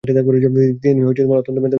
তিনি অত্যন্ত মেধাবী ছিলেন।